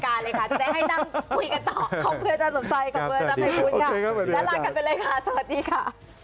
งั้นเดี๋ยวรีบลารายการเลยค่ะจะได้ให้นั่งคุยกันต่อเพื่อจะสนใจกับเมืองทำให้คุ้นค่ะแล้วลาดกันไปเลยค่ะสวัสดีค่ะ